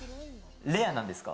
レアなんですか？